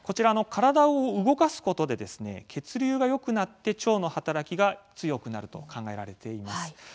体を動かすことで血流がよくなって腸の働きが強くなると考えられています。